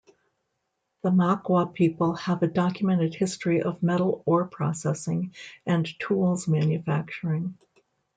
The Makua people have a documented history of metal ore processing and tools manufacturing.